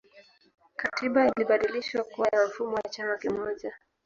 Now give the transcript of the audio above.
katiba ilibadilishwa kuwa ya mfumo wa chama kimoja